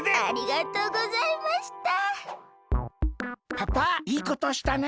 パパいいことしたね。